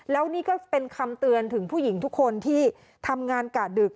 แล้วนี่ก็เป็นคำเตือนถึงผู้หญิงทุกคนที่ทำงานกะดึก